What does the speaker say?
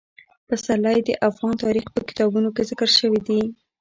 پسرلی د افغان تاریخ په کتابونو کې ذکر شوی دي.